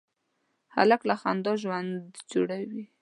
هلک له خندا ژوند جوړوي.